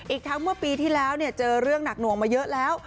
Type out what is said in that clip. อีกทั้งเมื่อปีที่แล้วเจอเรื่องหนักหน่วงมาเยอะแล้ว